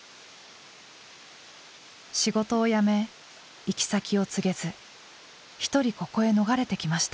仕事を辞め行き先を告げずひとりここへ逃れてきました。